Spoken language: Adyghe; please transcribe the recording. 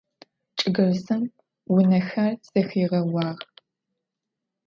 ЧӀыгырзым унэхэр зэхигъэуагъ.